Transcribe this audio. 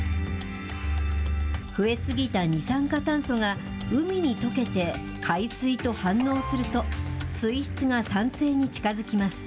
増え過ぎた二酸化炭素が、海に溶けて海水と反応すると、水質が酸性に近づきます。